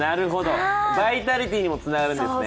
バイタリティーにもなると。